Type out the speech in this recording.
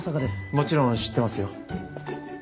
もちろん知ってますよ。